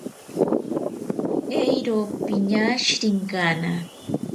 Eiro piñashirenkana.